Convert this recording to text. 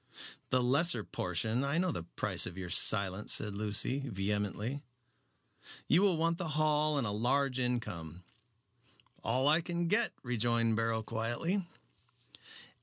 "The lesser portion. I know the price of your silence," said Lucy, vehemently. "You will want the Hall and a large income." "All I can get," rejoined Beryl, quietly.